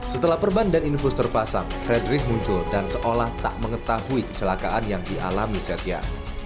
setelah perban dan infus terpasang fredrich muncul dan seolah tak mengetahui kecelakaan yang dialami setia